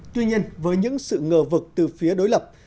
tuy nhiên với những sự ngờ vực từ phía đối lập